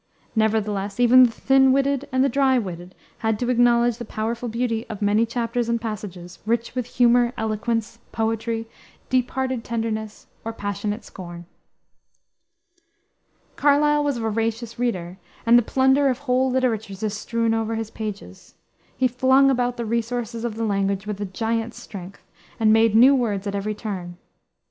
Nevertheless even the thin witted and the dry witted had to acknowledge the powerful beauty of many chapters and passages, rich with humor, eloquence, poetry, deep hearted tenderness, or passionate scorn. Carlyle was a voracious reader, and the plunder of whole literatures is strewn over his pages. He flung about the resources of the language with a giant's strength, and made new words at every turn.